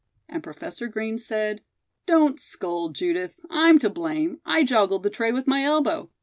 And Professor Green said: "Don't scold, Judith. I'm to blame. I joggled the tray with my elbow.